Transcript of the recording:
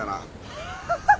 ハハハハ！